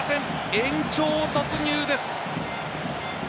延長突入です。